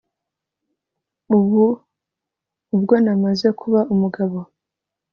ubu ubwo namaze kuba umugabo